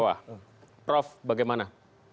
di bawah prof bagaimana